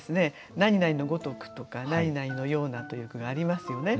「何々の如く」とか「何々のような」という句がありますよね。